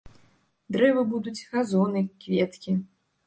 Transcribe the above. Дрэвы будуць, газоны, кветкі.